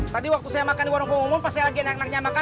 tadi waktu saya makan di warung pemumum pas saya lagi anak dua nya makan